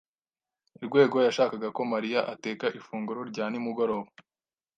Rwego yashakaga ko Mariya ateka ifunguro rya nimugoroba.